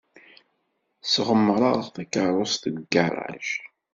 Sɣemreɣ takeṛṛust deg ugaṛaj.